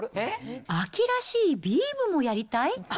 秋らしいビームもやりたい？